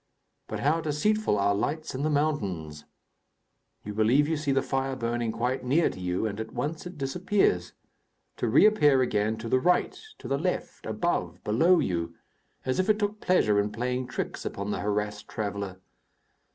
But how deceitful are lights in the mountains! You believe you see the fire burning quite near to you and at once it disappears, to reappear again, to the right, to the left, above, below you, as if it took pleasure in playing tricks upon the harassed traveller.